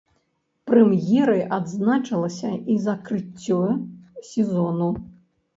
Прэм'ерай адзначылася і закрыццё сезону.